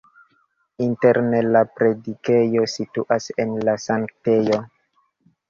Interne la predikejo situas en la sanktejo.